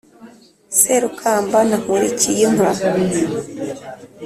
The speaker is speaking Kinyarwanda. Serukamba na Nkurikiyinka.